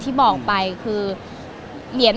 เก็บได้เกือบจะพันไล่แล้ว